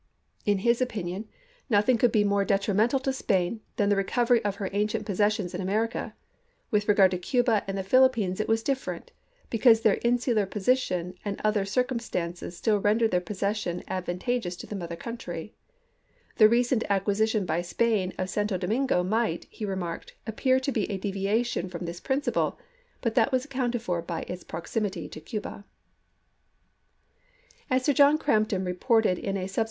In his opin ion nothing could be more detrimental to Spain than the recovery of her ancient possessions in America ; with regard to Cuba and the Philippines it was dif ferent, because their insular position and other cir cumstances still rendered their possession advan tageous to the mother country ; the recent acquisi tion by Spain of Santo Domingo might, he remarked, appear to be a deviation from this principle, but that was accounted for by its proximity to Cuba. MEXICO 37 As Sir John Crampton reported in a subse chap.